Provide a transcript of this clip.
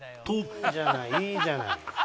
いいじゃないいいじゃない。